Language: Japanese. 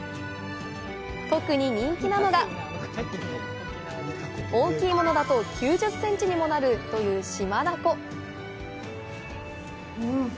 特に人気なのが、大きいものだと９０センチにもなるという島ダコ！